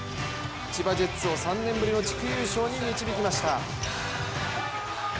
千葉ジェッツを３年ぶりの地区優勝へ導きました。